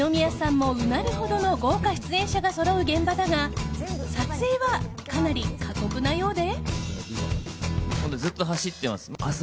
もうなるほどの豪華出演者がそろう現場だが撮影はかなり過酷なようで。